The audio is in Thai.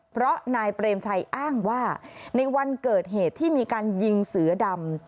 เพราะนายเปรมชัยอ้างว่าในวันเกิดเหตุที่มีการยิงเสือดำ